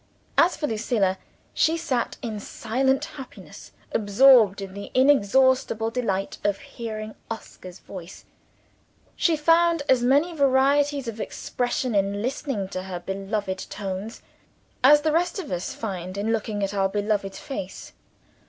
As for Lucilla, she sat in silent happiness, absorbed in the inexhaustible delight of hearing Oscar's voice. She found as many varieties of expression in listening to her beloved tones, as the rest of us find in looking at our beloved face.